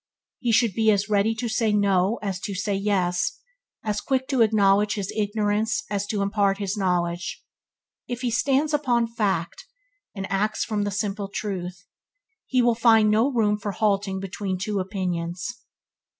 He should be as ready to say "no" as "yes", as quick to acknowledge his ignorance as to impart his knowledge. If he stands upon fact, and acts from the simple truth, he will find no room for halting between two opinions.